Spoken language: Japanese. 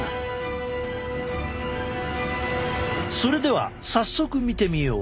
それでは早速見てみよう。